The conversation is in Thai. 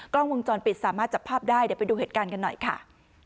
กล้องวงจรปิดสามารถจับภาพได้เดี๋ยวไปดูเหตุการณ์กันหน่อยค่ะ